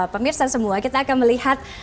pemirsa semua kita akan melihat